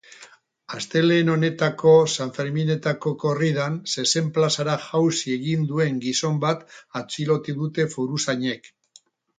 Astelehen honetako sanferminetako korridan zezen-plazara jauzi egin duen gizon bat atxilotu dute foruzainek.